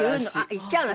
言っちゃうの。